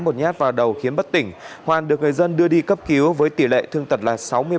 một nhát vào đầu khiến bất tỉnh hoàn được người dân đưa đi cấp cứu với tỷ lệ thương tật là sáu mươi ba